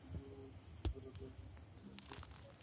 এতো রাতে ফোন করলে যে?